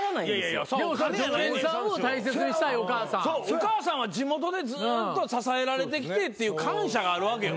お母さんは地元でずっと支えられてきてっていう感謝があるわけよ。